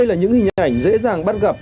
đây là những hình ảnh dễ dàng bắt gặp